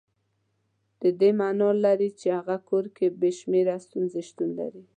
د دې معنا لري چې هغه کور کې بې شمېره ستونزې شتون لري.